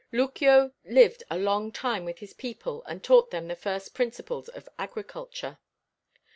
Lucuo lived a long time with his people and taught them the first principles of agriculture.